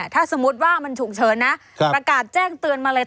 ถ้าสมมุติว่ามันฉุกเฉินนะประกาศแจ้งเตือนมาเลย